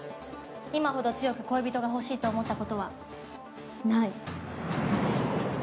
今ほど強く恋人が欲しいと思ったことはない。